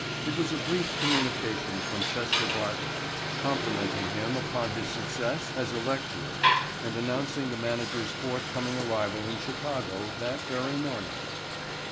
It was a brief communication from Chester Bartlett complimenting him upon his success as a lecturer and announcing the manager's forthcoming arrival in Chicago that very morning.